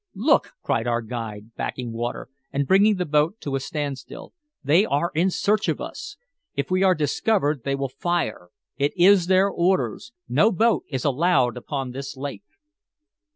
"Look!" cried our guide, backing water, and bringing the boat to a standstill. "They are in search of us! If we are discovered they will fire. It is their orders. No boat is allowed upon this lake."